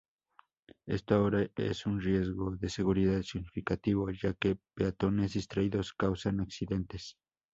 Esto ahora es un riesgo de seguridad significativo ya que peatones distraídos causan accidentes.